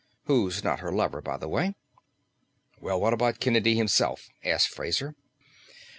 Who's not her lover, by the way." "Well, how about Kennedy himself?" asked Fraser.